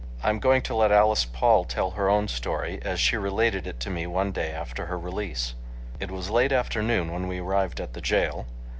I am going to let Alice Paul tell her own story, as she related it to me one day after her release: It was late afternoon when we arrived at the jail.